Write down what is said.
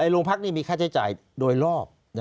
โรงพักนี่มีค่าใช้จ่ายโดยรอบ